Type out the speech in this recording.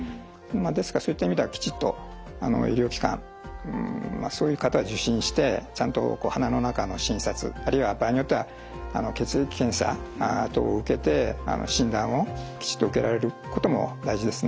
ですからそういった意味ではきちっと医療機関そういう方は受診してちゃんと鼻の中の診察あるいは場合によっては血液検査等を受けて診断をきちっと受けられることも大事ですね。